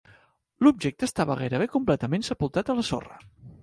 L'objecte estava gairebé completament sepultat a la sorra.